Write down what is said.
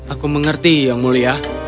aku mengerti yang mulia